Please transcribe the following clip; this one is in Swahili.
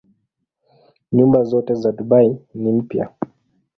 Nyumba zote za Dubai ni mpya.